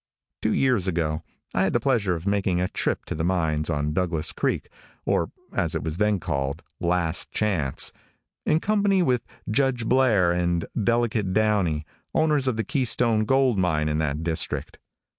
Two years ago I had the pleasure of making a trip to the mines on Douglas creek, or, as it was then called, Last Chance, in company with Judge Blair and Delegate Downey, owners of the Keystone gold mine in that district.